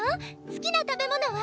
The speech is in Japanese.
好きな食べ物は？